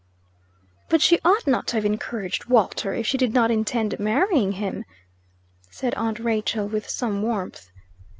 "But she ought not to have encouraged Walter, if she did not intend marrying him," said aunt Rachel, with some warmth.